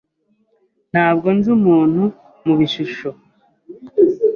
Ntabwo nzi umuntu mubishusho.